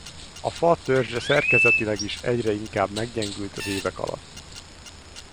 A fa törzse szerkezetileg is egyre inkább meggyengült az évek alatt.